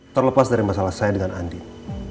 terlepas dari masalah saya dengan andin